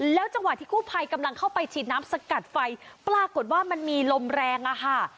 จังหวะที่กู้ภัยกำลังเข้าไปฉีดน้ำสกัดไฟปรากฏว่ามันมีลมแรงอะค่ะ